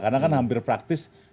karena kan hampir praktis